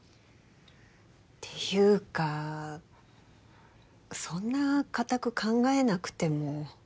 ていうかそんな固く考えなくても。